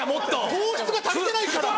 糖質が足りてないから。